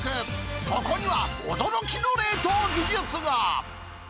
そこには、驚きの冷凍技術が。